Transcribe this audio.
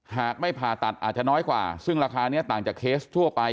หากไม่ผ่าตัดอาจจะน้อยกว่าซึ่งราคานี้ต่างจากเคสทั่วไป